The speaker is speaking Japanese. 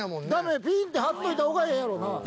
ピンって張っといたほうがええやろな。